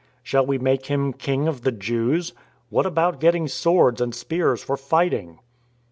Shall 62 IN TRAINING we make Him King of the Jews ? What about getting swords and spears for fighting?